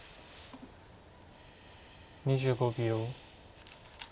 ２５秒。